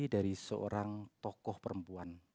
dari seorang tokoh perempuan